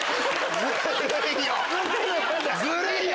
ずるいよ！